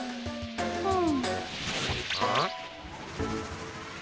うん？